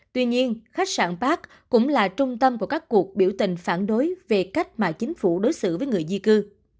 tuy nhiên khách sạn pak cũng là trung tâm của các cuộc biểu tình phản đối về cách mà chính phủ đối xử với người di cư